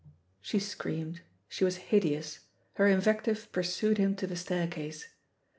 She screamed, she was hideous; her in vective pursued him to the staircase.